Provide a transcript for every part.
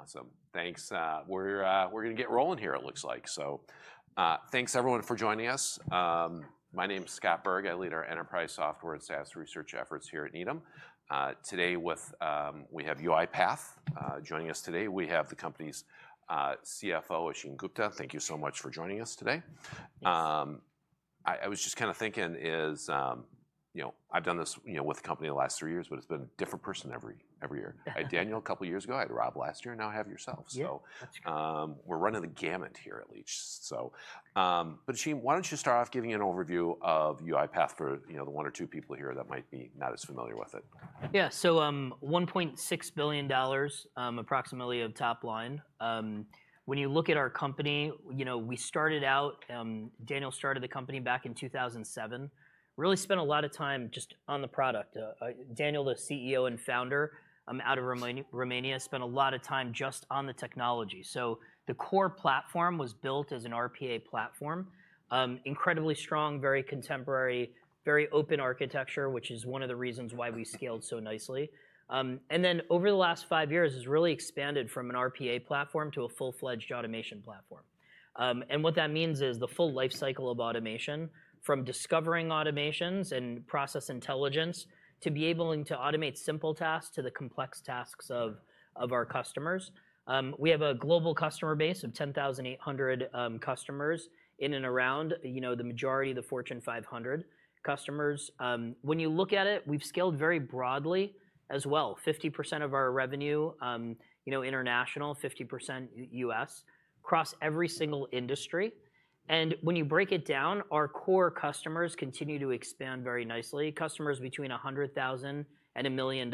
Awesome. Thanks. We're going to get rolling here, it looks like. So thanks, everyone, for joining us. My name is Scott Berg. I lead our enterprise software and SaaS research efforts here at Needham. Today, we have UiPath joining us today. We have the company's CFO, Ashim Gupta. Thank you so much for joining us today. I was just kind of thinking, I've done this with the company the last three years, but it's been a different person every year. Daniel, a couple of years ago, I had Rob last year, and now I have yourself. So we're running the gamut here, at least. But Ashim, why don't you start off giving an overview of UiPath for the one or two people here that might be not as familiar with it? Yeah, so $1.6 billion, approximately, of top line. When you look at our company, we started out. Daniel started the company back in 2007. Really spent a lot of time just on the product. Daniel, the CEO and founder out of Romania, spent a lot of time just on the technology, so the core platform was built as an RPA platform. Incredibly strong, very contemporary, very open architecture, which is one of the reasons why we scaled so nicely, and then over the last five years, it's really expanded from an RPA platform to a full-fledged automation platform, and what that means is the full lifecycle of automation, from discovering automations and process intelligence to be able to automate simple tasks to the complex tasks of our customers. We have a global customer base of 10,800 customers in and around the majority of the Fortune 500 customers. When you look at it, we've scaled very broadly as well. 50% of our revenue international, 50% U.S., across every single industry, and when you break it down, our core customers continue to expand very nicely. Customers between $100,000 and $1 million,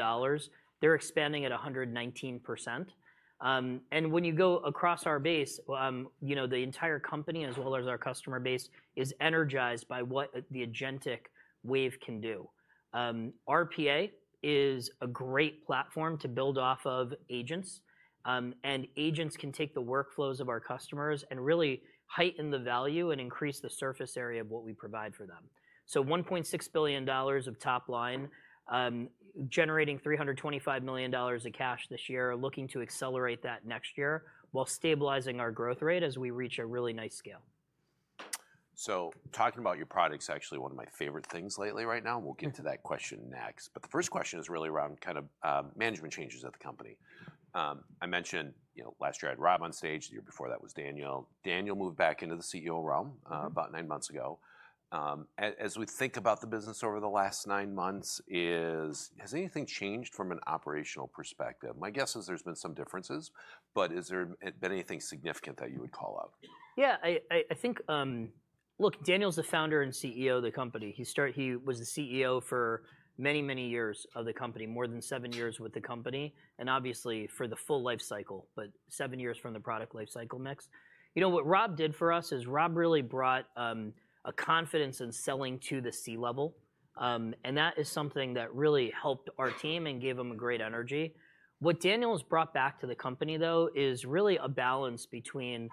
they're expanding at 119%, and when you go across our base, the entire company, as well as our customer base, is energized by what the agentic wave can do. RPA is a great platform to build off of agents, and agents can take the workflows of our customers and really heighten the value and increase the surface area of what we provide for them, so $1.6 billion of top line, generating $325 million of cash this year, looking to accelerate that next year while stabilizing our growth rate as we reach a really nice scale. So talking about your product is actually one of my favorite things lately right now. We'll get to that question next. But the first question is really around kind of management changes at the company. I mentioned last year I had Rob on stage. The year before that was Daniel. Daniel moved back into the CEO realm about nine months ago. As we think about the business over the last nine months, has anything changed from an operational perspective? My guess is there's been some differences. But has there been anything significant that you would call out? Yeah. I think, look, Daniel's the founder and CEO of the company. He was the CEO for many, many years of the company, more than seven years with the company, and obviously for the full lifecycle, but seven years from the product lifecycle mix. You know what Rob did for us is Rob really brought a confidence in selling to the C-level. And that is something that really helped our team and gave them a great energy. What Daniel has brought back to the company, though, is really a balance between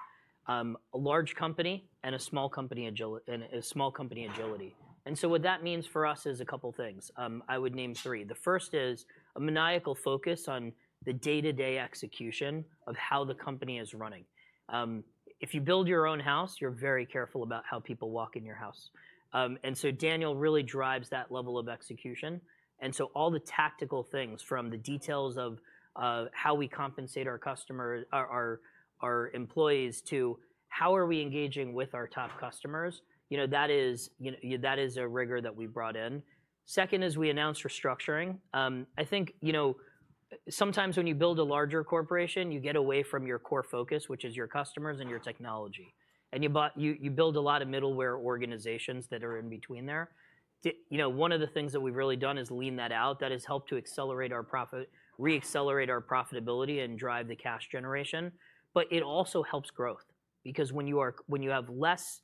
a large company and a small company agility. And so what that means for us is a couple of things. I would name three. The first is a maniacal focus on the day-to-day execution of how the company is running. If you build your own house, you're very careful about how people walk in your house. And so Daniel really drives that level of execution. And so all the tactical things, from the details of how we compensate our employees to how are we engaging with our top customers, that is a rigor that we brought in. Second is we announced restructuring. I think sometimes when you build a larger corporation, you get away from your core focus, which is your customers and your technology. And you build a lot of middleware organizations that are in between there. One of the things that we've really done is lean that out. That has helped to re-accelerate our profitability and drive the cash generation. But it also helps growth. Because when you have less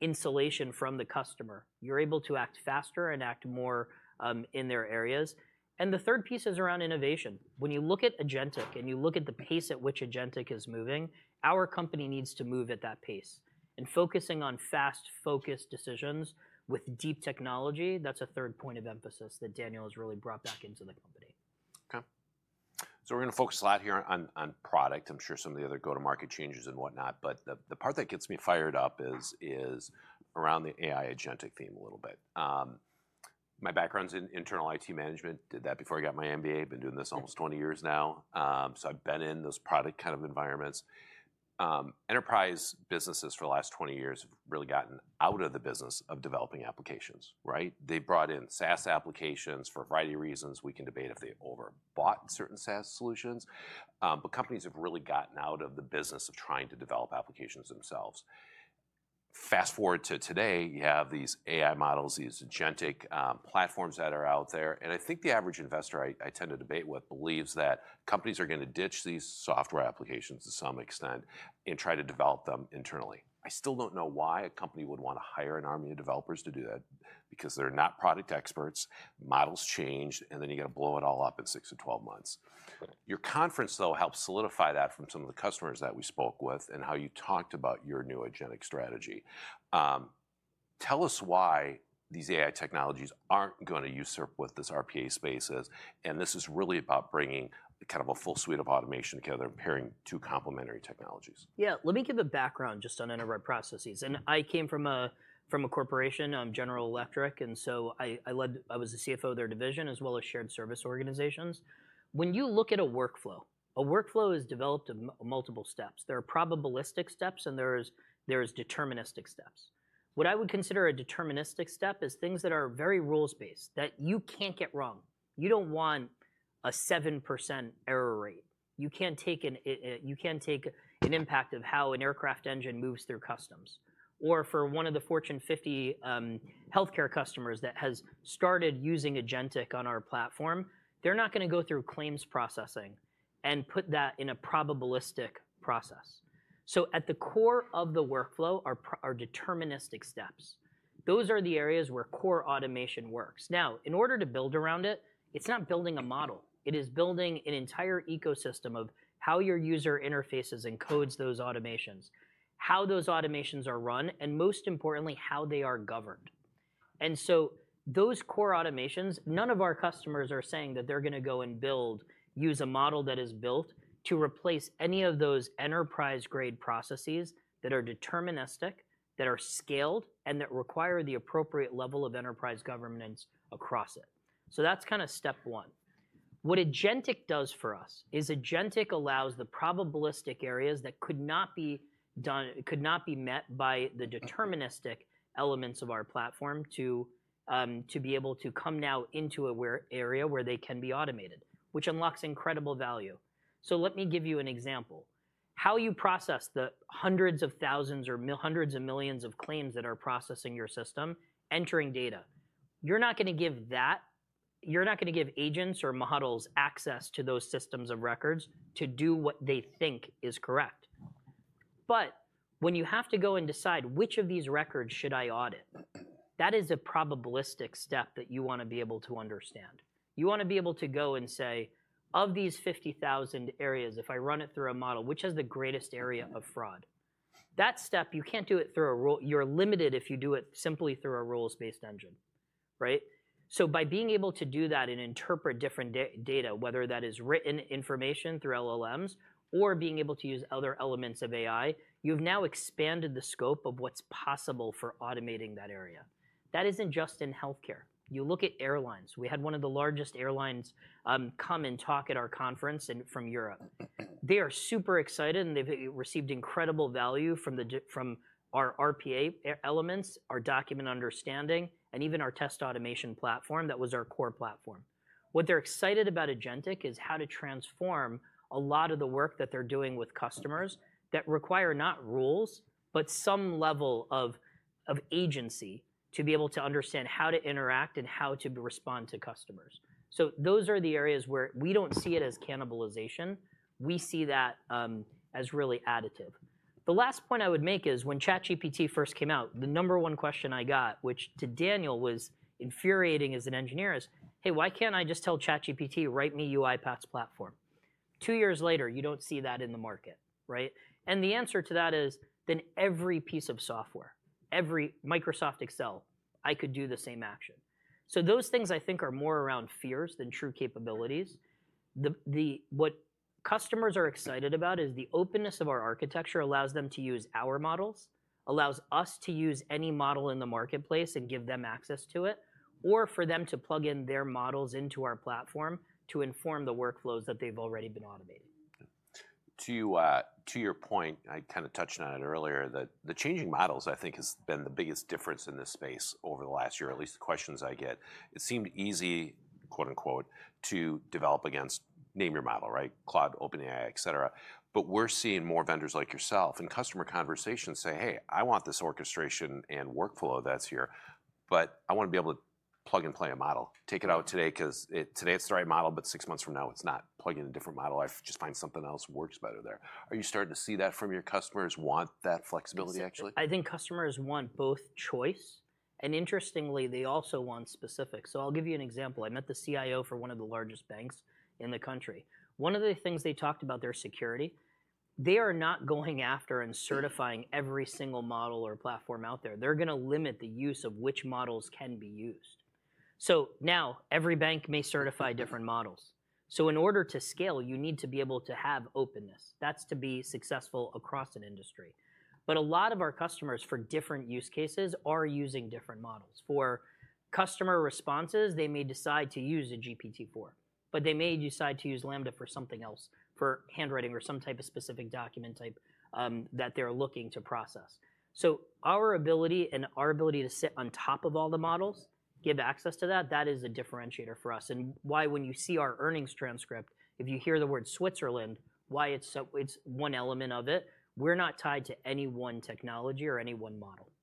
insulation from the customer, you're able to act faster and act more in their areas. And the third piece is around innovation. When you look at agentic and you look at the pace at which agentic is moving, our company needs to move at that pace, and focusing on fast, focused decisions with deep technology, that's a third point of emphasis that Daniel has really brought back into the company. OK. So we're going to focus a lot here on product. I'm sure some of the other go-to-market changes and whatnot. But the part that gets me fired up is around the AI agentic theme a little bit. My background's in internal IT management. Did that before I got my MBA. Been doing this almost 20 years now. So I've been in those product kind of environments. Enterprise businesses for the last 20 years have really gotten out of the business of developing applications. They brought in SaaS applications for a variety of reasons. We can debate if they overbought certain SaaS solutions. But companies have really gotten out of the business of trying to develop applications themselves. Fast forward to today, you have these AI models, these agentic platforms that are out there. And I think the average investor, I tend to debate with, believes that companies are going to ditch these software applications to some extent and try to develop them internally. I still don't know why a company would want to hire an army of developers to do that. Because they're not product experts. Models change. And then you've got to blow it all up in six to 12 months. Your conference, though, helped solidify that from some of the customers that we spoke with and how you talked about your new agentic strategy. Tell us why these AI technologies aren't going to usurp what this RPA space is. And this is really about bringing kind of a full suite of automation together and pairing two complementary technologies. Yeah. Let me give a background just on Enterprise Processes. And I came from a corporation, General Electric. And so I was the CFO of their division, as well as shared service organizations. When you look at a workflow, a workflow is developed in multiple steps. There are probabilistic steps, and there are deterministic steps. What I would consider a deterministic step is things that are very rules-based, that you can't get wrong. You don't want a 7% error rate. You can't take an impact of how an aircraft engine moves through customs. Or for one of the Fortune 50 health care customers that has started using agentic on our platform, they're not going to go through claims processing and put that in a probabilistic process. So at the core of the workflow are deterministic steps. Those are the areas where core automation works. Now, in order to build around it, it's not building a model. It is building an entire ecosystem of how your user interfaces and codes those automations, how those automations are run, and most importantly, how they are governed, and so those core automations, none of our customers are saying that they're going to go and build, use a model that is built to replace any of those enterprise-grade processes that are deterministic, that are scaled, and that require the appropriate level of enterprise governance across it, so that's kind of step one. What agentic does for us is agentic allows the probabilistic areas that could not be met by the deterministic elements of our platform to be able to come now into an area where they can be automated, which unlocks incredible value, so let me give you an example. How you process the hundreds of thousands or hundreds of millions of claims that are processing your system, entering data. You're not going to give that. You're not going to give agents or models access to those systems of records to do what they think is correct. But when you have to go and decide which of these records should I audit, that is a probabilistic step that you want to be able to understand. You want to be able to go and say, of these 50,000 areas, if I run it through a model, which has the greatest area of fraud? That step, you can't do it through a rule. You're limited if you do it simply through a rules-based engine. So by being able to do that and interpret different data, whether that is written information through LLMs or being able to use other elements of AI, you've now expanded the scope of what's possible for automating that area. That isn't just in health care. You look at airlines. We had one of the largest airlines come and talk at our conference from Europe. They are super excited. And they've received incredible value from our RPA elements, our Document Understanding, and even our Test Automation platform. That was our core platform. What they're excited about agentic is how to transform a lot of the work that they're doing with customers that require not rules, but some level of agency to be able to understand how to interact and how to respond to customers. So those are the areas where we don't see it as cannibalization. We see that as really additive. The last point I would make is when ChatGPT first came out, the number one question I got, which to Daniel was infuriating as an engineer, is, "Hey, why can't I just tell ChatGPT, write me UiPath's platform?" Two years later, you don't see that in the market, and the answer to that is then every piece of software, every Microsoft Excel, I could do the same action. So those things I think are more around fears than true capabilities. What customers are excited about is the openness of our architecture allows them to use our models, allows us to use any model in the marketplace and give them access to it, or for them to plug in their models into our platform to inform the workflows that they've already been automating. To your point, I kind of touched on it earlier, that the changing models, I think, has been the biggest difference in this space over the last year, at least the questions I get. It seemed easy, quote unquote, to develop against, name your model, Claude, OpenAI, et cetera. But we're seeing more vendors like yourself in customer conversations say, hey, I want this orchestration and workflow that's here. But I want to be able to plug and play a model. Take it out today because today it's the right model. But six months from now, it's not. Plug in a different model. I just find something else works better there. Are you starting to see that from your customers want that flexibility, actually? I think customers want both choice. And interestingly, they also want specifics. So I'll give you an example. I met the CIO for one of the largest banks in the country. One of the things they talked about, their security, they are not going after and certifying every single model or platform out there. They're going to limit the use of which models can be used. So now every bank may certify different models. So in order to scale, you need to be able to have openness. That's to be successful across an industry. But a lot of our customers for different use cases are using different models. For customer responses, they may decide to use a GPT-4. But they may decide to use LaMDA for something else, for handwriting or some type of specific document type that they're looking to process. Our ability to sit on top of all the models, give access to that, that is a differentiator for us. Why, when you see our earnings transcript, if you hear the word Switzerland, why it's one element of it, we're not tied to any one technology or any one model.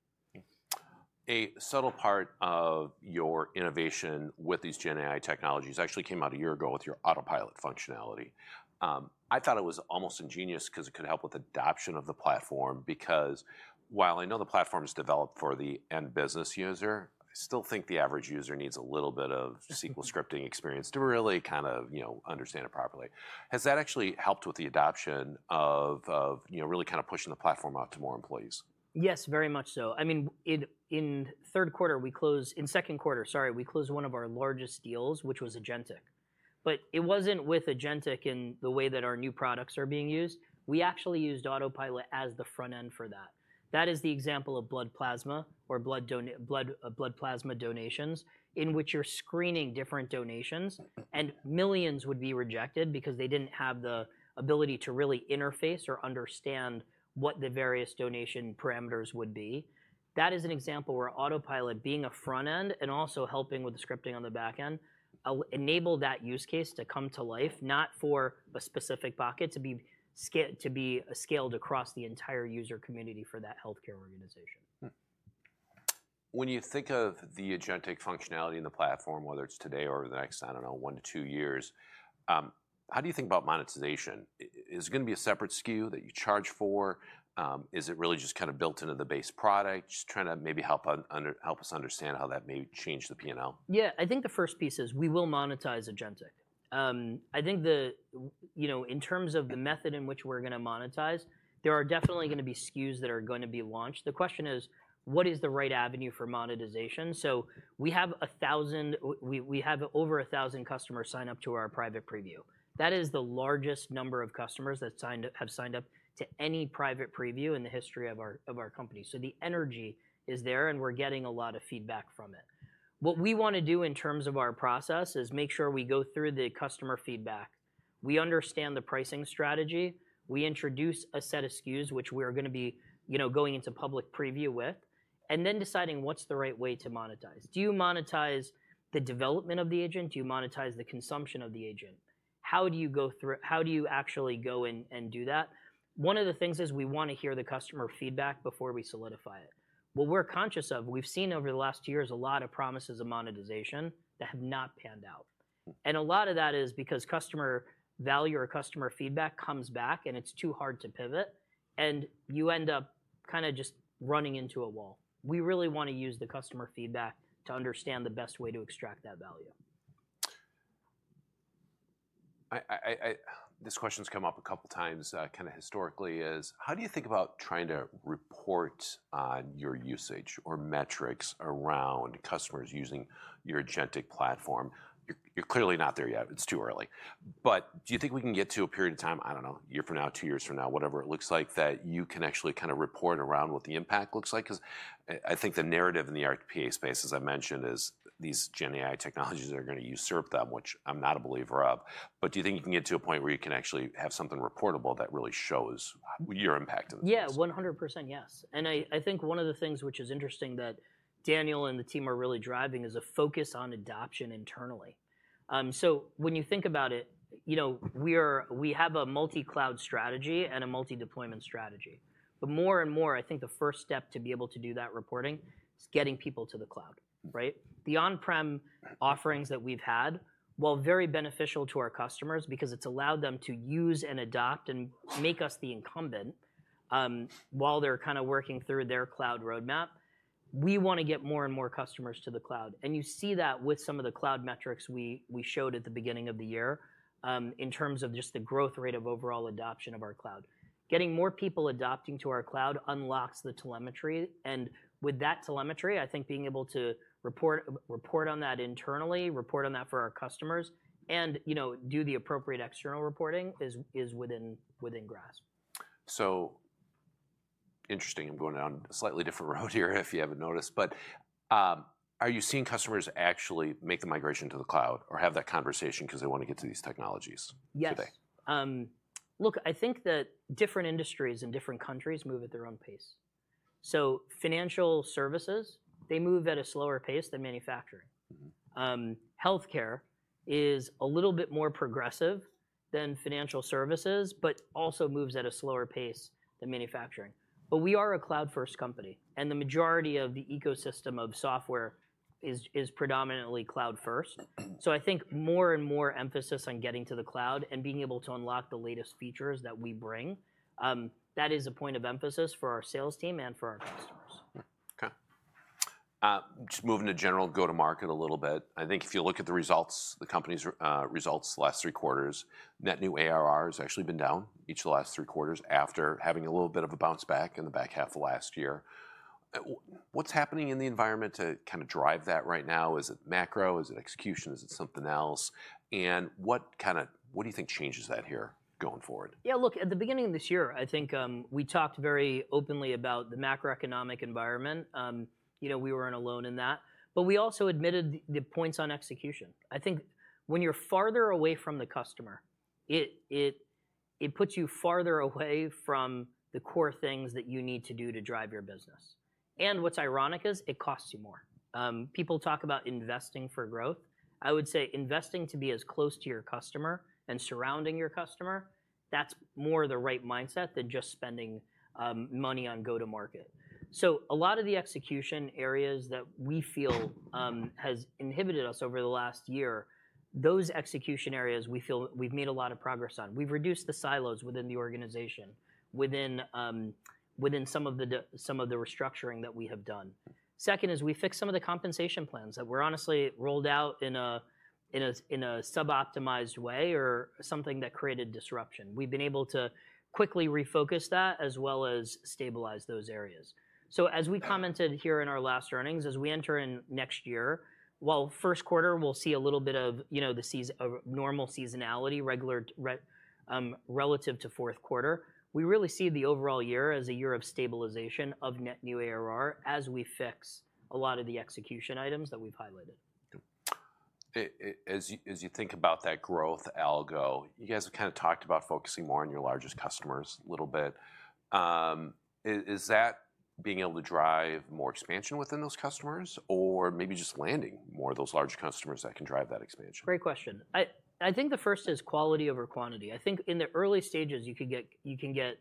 A subtle part of your innovation with these GenAI technologies actually came out a year ago with your Autopilot functionality. I thought it was almost ingenious because it could help with adoption of the platform. Because while I know the platform is developed for the end business user, I still think the average user needs a little bit of SQL scripting experience to really kind of understand it properly. Has that actually helped with the adoption of really kind of pushing the platform out to more employees? Yes, very much so. I mean, in third quarter, we closed in second quarter, sorry, we closed one of our largest deals, which was agentic. But it wasn't with agentic in the way that our new products are being used. We actually used Autopilot as the front end for that. That is the example of blood plasma or blood plasma donations in which you're screening different donations. And millions would be rejected because they didn't have the ability to really interface or understand what the various donation parameters would be. That is an example where Autopilot, being a front end and also helping with the scripting on the back end, enabled that use case to come to life, not for a specific bucket to be scaled across the entire user community for that health care organization. When you think of the agentic functionality in the platform, whether it's today or the next, I don't know, one to two years, how do you think about monetization? Is it going to be a separate SKU that you charge for? Is it really just kind of built into the base product, just trying to maybe help us understand how that may change the P&L? Yeah. I think the first piece is we will monetize agentic. I think in terms of the method in which we're going to monetize, there are definitely going to be SKUs that are going to be launched. The question is, what is the right avenue for monetization? So we have over 1,000 customers sign up to our private preview. That is the largest number of customers that have signed up to any private preview in the history of our company. So the energy is there. And we're getting a lot of feedback from it. What we want to do in terms of our process is make sure we go through the customer feedback. We understand the pricing strategy. We introduce a set of SKUs, which we are going to be going into public preview with, and then deciding what's the right way to monetize. Do you monetize the development of the agent? Do you monetize the consumption of the agent? How do you go through? How do you actually go and do that? One of the things is we want to hear the customer feedback before we solidify it. What we're conscious of, we've seen over the last year is a lot of promises of monetization that have not panned out, and a lot of that is because customer value or customer feedback comes back, and it's too hard to pivot, and you end up kind of just running into a wall. We really want to use the customer feedback to understand the best way to extract that value. This question's come up a couple of times kind of historically is, how do you think about trying to report on your usage or metrics around customers using your agentic platform? You're clearly not there yet. It's too early. But do you think we can get to a period of time, I don't know, a year from now, two years from now, whatever it looks like, that you can actually kind of report around what the impact looks like? Because I think the narrative in the RPA space, as I mentioned, is these GenAI technologies are going to usurp them, which I'm not a believer of. But do you think you can get to a point where you can actually have something reportable that really shows your impact in the business? Yeah, 100% yes, and I think one of the things which is interesting that Daniel and the team are really driving is a focus on adoption internally. When you think about it, we have a multi-cloud strategy and a multi-deployment strategy. But more and more, I think the first step to be able to do that reporting is getting people to the cloud. The on-prem offerings that we've had, while very beneficial to our customers because it's allowed them to use and adopt and make us the incumbent while they're kind of working through their cloud roadmap, we want to get more and more customers to the cloud. You see that with some of the cloud metrics we showed at the beginning of the year in terms of just the growth rate of overall adoption of our cloud. Getting more people adopting to our cloud unlocks the telemetry. With that telemetry, I think being able to report on that internally, report on that for our customers, and do the appropriate external reporting is within grasp. So interesting. I'm going down a slightly different road here if you haven't noticed. But are you seeing customers actually make the migration to the cloud or have that conversation because they want to get to these technologies today? Yes. Look, I think that different industries in different countries move at their own pace, so financial services, they move at a slower pace than manufacturing. Health care is a little bit more progressive than financial services but also moves at a slower pace than manufacturing, but we are a cloud-first company, and the majority of the ecosystem of software is predominantly cloud-first, so I think more and more emphasis on getting to the cloud and being able to unlock the latest features that we bring, that is a point of emphasis for our sales team and for our customers. OK. Just moving to general go-to-market a little bit. I think if you look at the results, the company's results last three quarters, net new ARR has actually been down each of the last three quarters after having a little bit of a bounce back in the back half of last year. What's happening in the environment to kind of drive that right now? Is it macro? Is it execution? Is it something else? And what kind of what do you think changes that here going forward? Yeah, look, at the beginning of this year, I think we talked very openly about the macroeconomic environment. We were owning that. But we also admitted the points on execution. I think when you're farther away from the customer, it puts you farther away from the core things that you need to do to drive your business. And what's ironic is it costs you more. People talk about investing for growth. I would say investing to be as close to your customer and surrounding your customer, that's more the right mindset than just spending money on go-to-market. So a lot of the execution areas that we feel has inhibited us over the last year, those execution areas we feel we've made a lot of progress on. We've reduced the silos within the organization, within some of the restructuring that we have done. Second is we fixed some of the compensation plans that were honestly rolled out in a suboptimized way or something that created disruption. We've been able to quickly refocus that as well as stabilize those areas. So as we commented here in our last earnings, as we enter in next year, while first quarter, we'll see a little bit of the normal seasonality relative to fourth quarter, we really see the overall year as a year of stabilization of net new ARR as we fix a lot of the execution items that we've highlighted. As you think about that growth algo, you guys have kind of talked about focusing more on your largest customers a little bit. Is that being able to drive more expansion within those customers or maybe just landing more of those large customers that can drive that expansion? Great question. I think the first is quality over quantity. I think in the early stages, you can get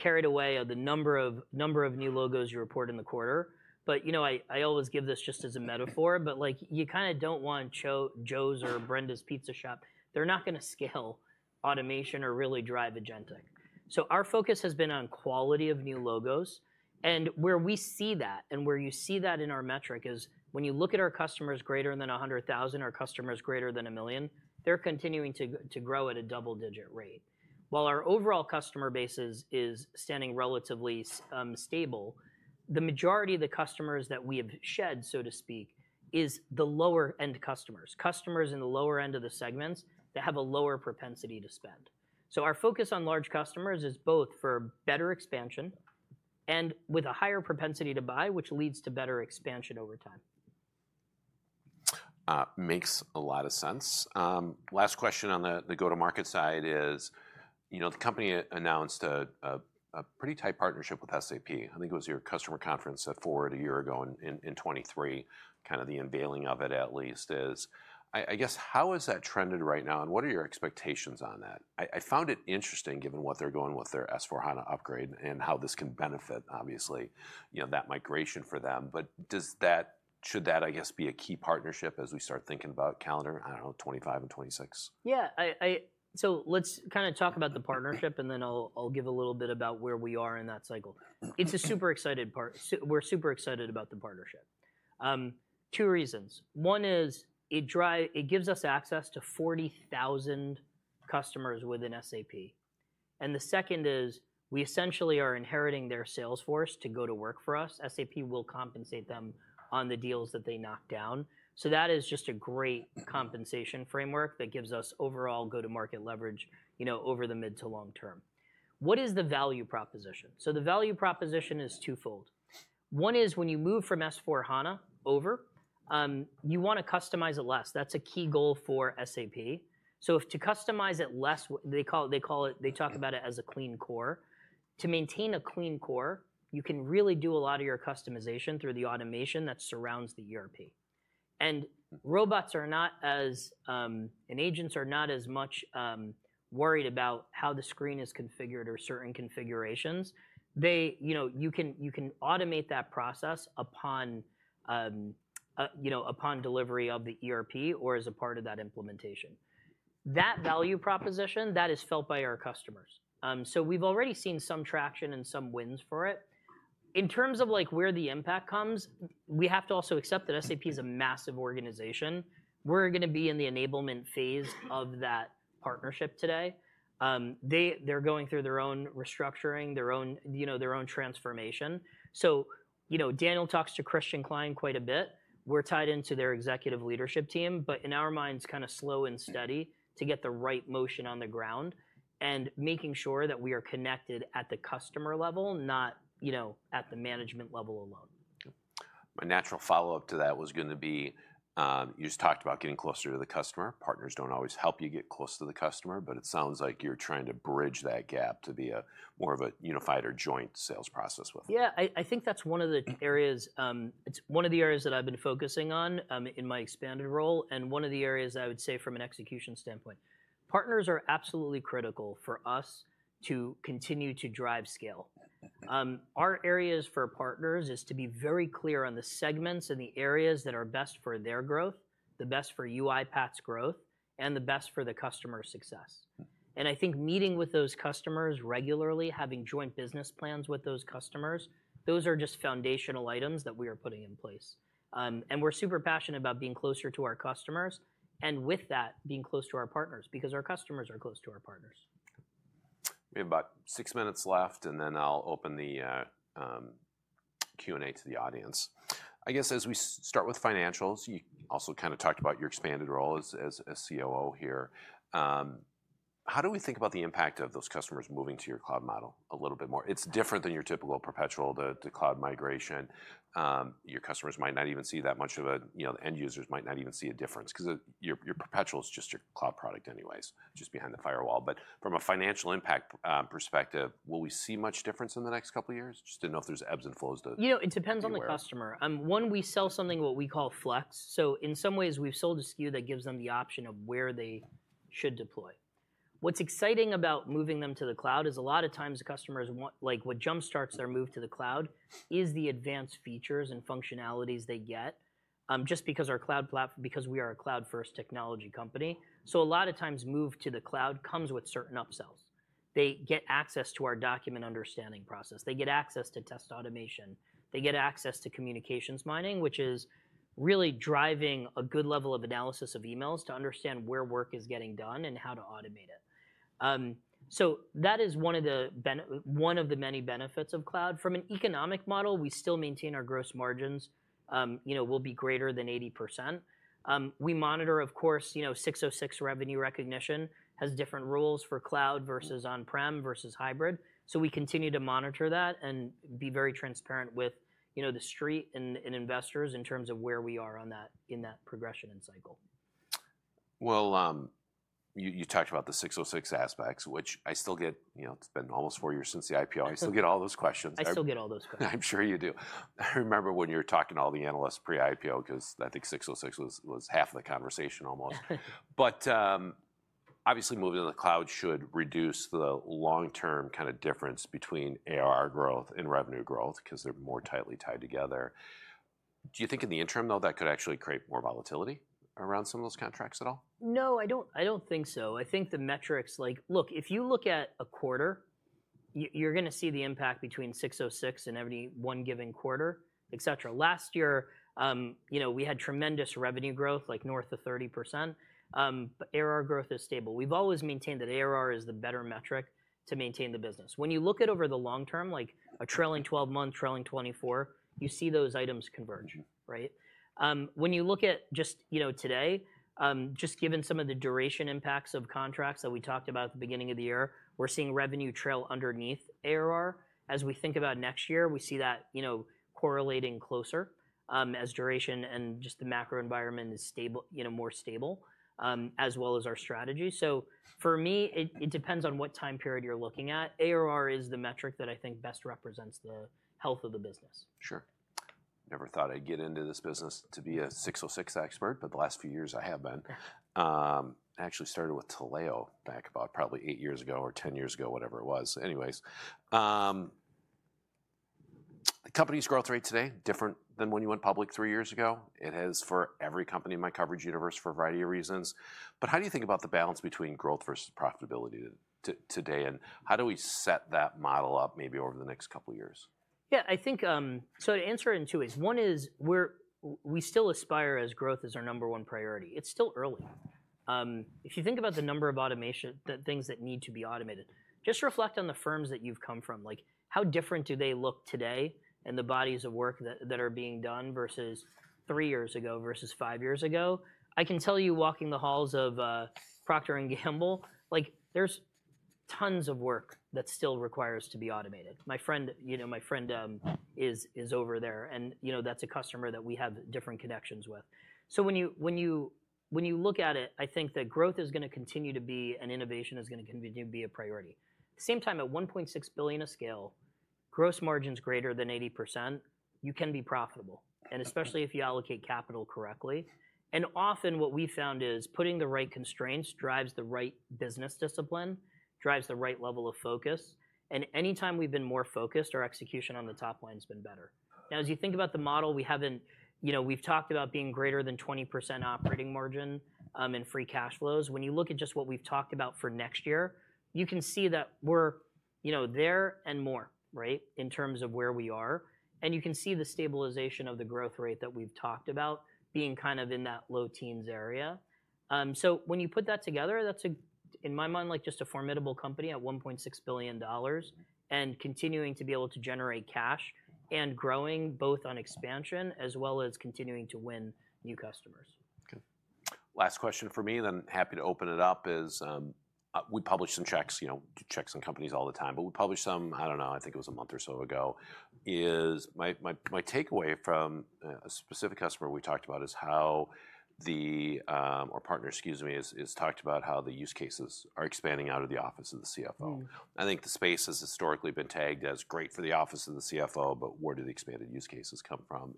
carried away on the number of new logos you report in the quarter. But I always give this just as a metaphor. But you kind of don't want Joe's or Brenda's Pizza Shop. They're not going to scale automation or really drive agentic. So our focus has been on quality of new logos. And where we see that and where you see that in our metric is when you look at our customers greater than 100,000 or customers greater than a million, they're continuing to grow at a double-digit rate. While our overall customer base is standing relatively stable, the majority of the customers that we have shed, so to speak, is the lower-end customers, customers in the lower end of the segments that have a lower propensity to spend. So our focus on large customers is both for better expansion and with a higher propensity to buy, which leads to better expansion over time. Makes a lot of sense. Last question on the go-to-market side is the company announced a pretty tight partnership with SAP. I think it was your customer conference at Forward a year ago in 2023, kind of the unveiling of it at least. I guess how has that trended right now? And what are your expectations on that? I found it interesting given what they're going with their S/4HANA upgrade and how this can benefit, obviously, that migration for them. But should that, I guess, be a key partnership as we start thinking about calendar, I don't know, 2025 and 2026? Yeah. So let's kind of talk about the partnership, and then I'll give a little bit about where we are in that cycle. It's a super excited part. We're super excited about the partnership. Two reasons. One is it gives us access to 40,000 customers within SAP, and the second is we essentially are inheriting their sales force to go to work for us. SAP will compensate them on the deals that they knock down, so that is just a great compensation framework that gives us overall go-to-market leverage over the mid- to long-term. What is the value proposition, so the value proposition is two-fold. One is when you move from S/4HANA over, you want to customize it less. That's a key goal for SAP. So to customize it less, they talk about it as a Clean Core. To maintain a Clean Core, you can really do a lot of your customization through the automation that surrounds the ERP. Robots and agents are not as much worried about how the screen is configured or certain configurations. You can automate that process upon delivery of the ERP or as a part of that implementation. That value proposition, that is felt by our customers. We've already seen some traction and some wins for it. In terms of where the impact comes, we have to also accept that SAP is a massive organization. We're going to be in the enablement phase of that partnership today. They're going through their own restructuring, their own transformation. Daniel talks to Christian Klein quite a bit. We're tied into their executive leadership team. But in our minds, kind of slow and steady to get the right motion on the ground and making sure that we are connected at the customer level, not at the management level alone. My natural follow-up to that was going to be you just talked about getting closer to the customer. Partners don't always help you get close to the customer. But it sounds like you're trying to bridge that gap to be more of a unified or joint sales process with them. Yeah. I think that's one of the areas that I've been focusing on in my expanded role and one of the areas I would say from an execution standpoint. Partners are absolutely critical for us to continue to drive scale. Our areas for partners is to be very clear on the segments and the areas that are best for their growth, the best for UiPath's growth, and the best for the customer's success, and I think meeting with those customers regularly, having joint business plans with those customers, those are just foundational items that we are putting in place, and we're super passionate about being closer to our customers and with that, being close to our partners because our customers are close to our partners. We have about six minutes left, and then I'll open the Q&A to the audience. I guess as we start with financials, you also kind of talked about your expanded role as COO here. How do we think about the impact of those customers moving to your cloud model a little bit more? It's different than your typical perpetual to cloud migration. Your customers might not even see that much, and end users might not even see a difference because your perpetual is just your cloud product anyways, just behind the firewall. But from a financial impact perspective, will we see much difference in the next couple of years? Just didn't know if there's ebbs and flows to. It depends on the customer. One, we sell something what we call Flex. So in some ways, we've sold a SKU that gives them the option of where they should deploy. What's exciting about moving them to the cloud is a lot of times the customers want what jump-starts their move to the cloud is the advanced features and functionalities they get just because we are a cloud-first technology company. So a lot of times, move to the cloud comes with certain upsells. They get access to our Document Understanding process. They get access to Test Automation. They get access to Communications Mining, which is really driving a good level of analysis of emails to understand where work is getting done and how to automate it. So that is one of the many benefits of cloud. From an economic model, we still maintain our gross margins will be greater than 80%. We monitor, of course, 606 revenue recognition has different rules for cloud versus on-prem versus hybrid. So we continue to monitor that and be very transparent with the street and investors in terms of where we are in that progression and cycle. You talked about the 606 aspects, which I still get. It's been almost four years since the IPO. I still get all those questions. I still get all those questions. I'm sure you do. I remember when you were talking to all the analysts pre-IPO because I think 606 was half of the conversation almost. But obviously, moving to the cloud should reduce the long-term kind of difference between ARR growth and revenue growth because they're more tightly tied together. Do you think in the interim, though, that could actually create more volatility around some of those contracts at all? No, I don't think so. I think the metrics like, look, if you look at a quarter, you're going to see the impact between 606 in every one given quarter, et cetera. Last year, we had tremendous revenue growth, like north of 30%. ARR growth is stable. We've always maintained that ARR is the better metric to maintain the business. When you look at over the long term, like a trailing 12 month, trailing 24, you see those items converge, right? When you look at just today, just given some of the duration impacts of contracts that we talked about at the beginning of the year, we're seeing revenue trail underneath ARR. As we think about next year, we see that correlating closer as duration and just the macro environment is more stable, as well as our strategy. So for me, it depends on what time period you're looking at. ARR is the metric that I think best represents the health of the business. Sure. Never thought I'd get into this business to be a 606 expert. But the last few years, I have been. I actually started with Taleo back about probably eight years ago or 10 years ago, whatever it was. Anyways, the company's growth rate today is different than when you went public three years ago. It is for every company in my coverage universe for a variety of reasons. But how do you think about the balance between growth versus profitability today? And how do we set that model up maybe over the next couple of years? Yeah, I think so to answer it in two ways. One is we still aspire as growth as our number one priority. It's still early. If you think about the number of automation things that need to be automated, just reflect on the firms that you've come from. How different do they look today and the bodies of work that are being done versus three years ago versus five years ago? I can tell you walking the halls of Procter & Gamble, there's tons of work that still requires to be automated. My friend is over there. And that's a customer that we have different connections with. So when you look at it, I think that growth is going to continue to be and innovation is going to continue to be a priority. At the same time, at $1.6 billion of scale, gross margins greater than 80%, you can be profitable, and especially if you allocate capital correctly, and often what we found is putting the right constraints drives the right business discipline, drives the right level of focus, and any time we've been more focused, our execution on the top line has been better. Now, as you think about the model, we've talked about being greater than 20% operating margin and free cash flows. When you look at just what we've talked about for next year, you can see that we're there and more in terms of where we are, and you can see the stabilization of the growth rate that we've talked about being kind of in that low teens area. So when you put that together, that's, in my mind, like just a formidable company at $1.6 billion and continuing to be able to generate cash and growing both on expansion as well as continuing to win new customers. Last question for me, then happy to open it up, is we publish some checks. We check some companies all the time. But we publish some I don't know. I think it was a month or so ago. My takeaway from a specific customer we talked about is how our partner, excuse me, has talked about how the use cases are expanding out of the office of the CFO. I think the space has historically been tagged as great for the office of the CFO. But where do the expanded use cases come from?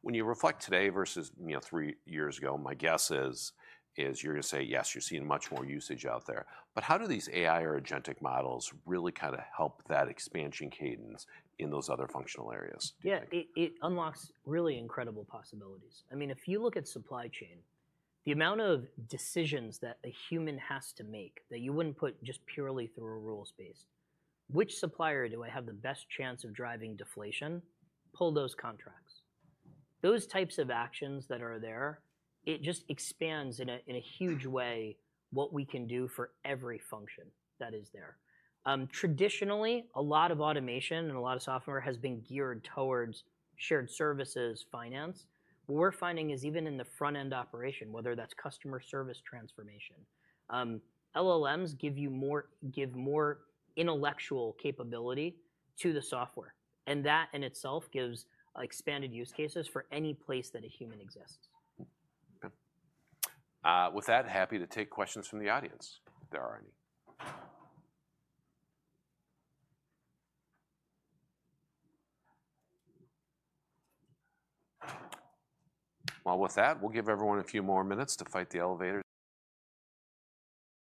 When you reflect today versus three years ago, my guess is you're going to say, yes, you're seeing much more usage out there. But how do these AI or agentic models really kind of help that expansion cadence in those other functional areas? Yeah. It unlocks really incredible possibilities. I mean, if you look at supply chain, the amount of decisions that a human has to make that you wouldn't put just purely through a rules space, which supplier do I have the best chance of driving deflation? Pull those contracts. Those types of actions that are there, it just expands in a huge way what we can do for every function that is there. Traditionally, a lot of automation and a lot of software has been geared towards shared services, finance. What we're finding is even in the front-end operation, whether that's customer service transformation. LLMs give more intellectual capability to the software. And that in itself gives expanded use cases for any place that a human exists. With that, happy to take questions from the audience if there are any, well, with that, we'll give everyone a few more minutes to fight the elevator.